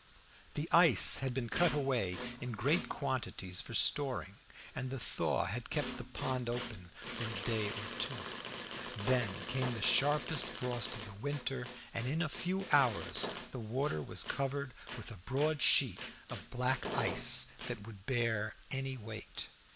The ice had been cut away in great quantities for storing and the thaw had kept the pond open for a day or two. Then came the sharpest frost of the winter, and in a few hours the water was covered with a broad sheet of black ice that would bear any weight.